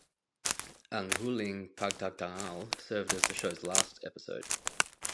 "Ang Huling Pagtatanghal" served as the show's last episode.